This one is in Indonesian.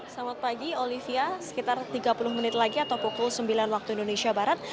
selamat pagi olivia sekitar tiga puluh menit lagi atau pukul sembilan waktu indonesia barat